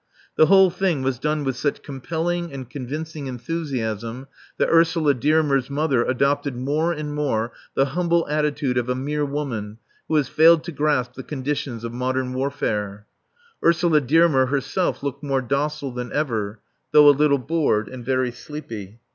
The whole thing was done with such compelling and convincing enthusiasm that Ursula Dearmer's mother adopted more and more the humble attitude of a mere woman who has failed to grasp the conditions of modern warfare. Ursula Dearmer herself looked more docile than ever, though a little bored, and very sleepy.